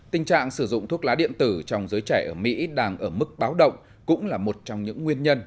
tình trạng sử dụng thuốc lá điện tử trong giới trẻ ở mỹ đang ở mức báo động cũng là một trong những nguyên nhân